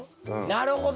なるほど！